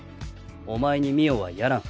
お前に美桜はやらん。